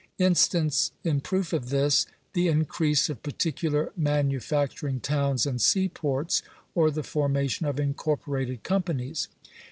Instance in proof of this, the increase of particular manufacturing towns and sea ports, or the formation of incorporated companies.